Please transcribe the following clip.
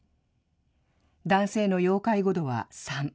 男性の要介護度は３。